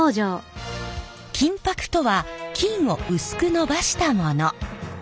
金箔とは金を薄くのばしたもの。